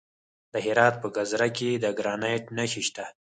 د هرات په ګذره کې د ګرانیټ نښې شته.